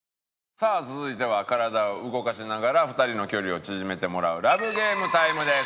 さあ続いては体を動かしながら２人の距離を縮めてもらうＬＯＶＥＧＡＭＥタイムです。